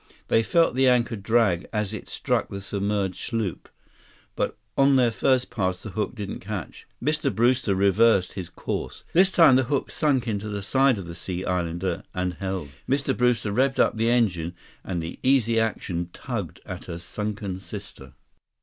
They felt the anchor drag as it struck the submerged sloop. But on their first pass the hook didn't catch. Mr. Brewster reversed his course. This time the hook sunk into the side of the sunken Sea Islander and held. Mr. Brewster revved up the engine, and the Easy Action tugged at her sunken sister.